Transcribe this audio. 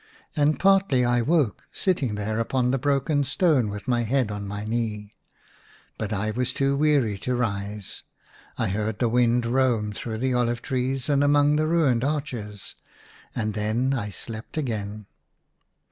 And partly I woke, sitting there upon the broken stone with my head on my knee ; but I was too weary to rise. I heard the wind roam through the olive trees and among the ruined arches, and then I slept again.